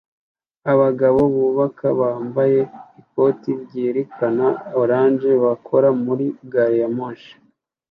Abagabo bubaka bambaye ikoti ryerekana orange bakora muri gari ya moshi